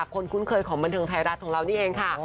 คนคุ้นเคยของบันเทิงไทยรัฐใขมันตัวเอง